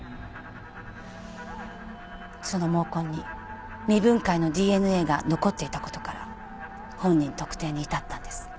その毛根に未分解のＤＮＡが残っていたことから本人特定に至ったんです。